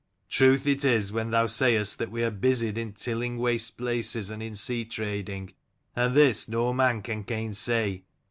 Truth it is when thou sayest that we are busied in tilling waste places, and in sea trading; and this no man can gain say.